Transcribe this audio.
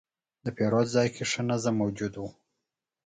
د پیرود ځای کې ښه نظم موجود و.